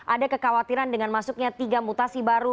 ada kekhawatiran dengan masuknya tiga mutasi baru